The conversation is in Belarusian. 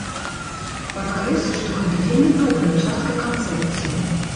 Падкрэслю, што гэта вельмі добрая частка канцэпцыі.